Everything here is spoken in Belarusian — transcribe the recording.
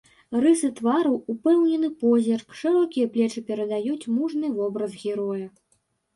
Рысы твару, упэўнены позірк, шырокія плечы перадаюць мужны вобраз героя.